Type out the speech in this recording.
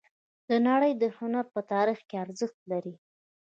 د نړۍ د هنر په تاریخ کې ارزښت لري